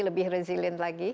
lebih berresilien lagi